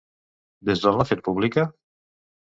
Des d'on l'ha fet pública?